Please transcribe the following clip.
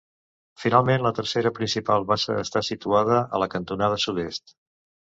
Finalment la tercera principal bassa està situada a la cantonada sud-est.